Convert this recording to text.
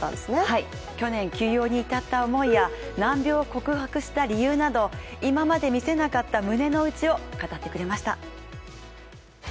はい、去年休養に至った思いや難病を克服した理由など今まで見せなかった胸の内を語ってくれました。